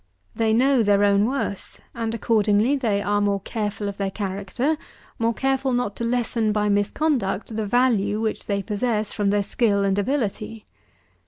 They know their own worth; and, accordingly, they are more careful of their character, more careful not to lessen by misconduct the value which they possess from their skill and ability.